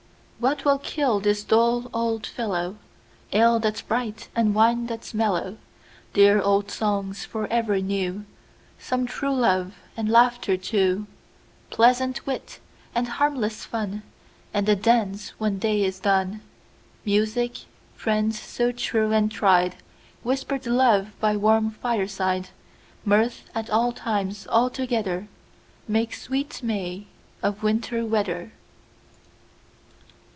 What will kill this dull old fellow? Ale that 's bright, and wine that 's mellow! Dear old songs for ever new; Some true love, and laughter too; Pleasant wit, and harmless fun, And a dance when day is done. Music, friends so true and tried, Whisper'd love by warm fireside, Mirth at all times all together, Make sweet May of Winter weather.